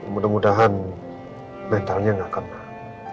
mudah mudahan mentalnya nggak akan mah